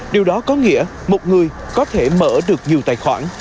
điều đó có nghĩa một người có thể mở được nhiều tài khoản